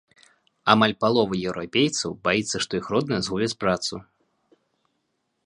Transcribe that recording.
Амаль палова еўрапейцаў баіцца, што іх родныя згубяць працу.